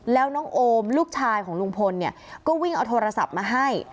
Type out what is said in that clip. แล้วน้องโอมลูกชายของลุงพลเนี่ยก็วิ่งเอาโทรศัพท์มาให้